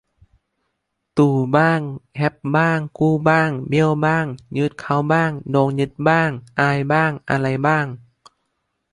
ตู่บ้าง แฮปบ้าง กู้บ้าง เบี้ยวบ้าง ยึดเขาบ้าง โดนยึดบ้าง อายบ้าง อะไรบ้าง